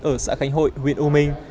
ở xã khánh hội huyện u minh